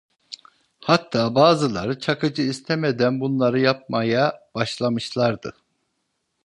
Hatta bazıları Çakıcı istemeden bunları yapmaya başlamışlardı.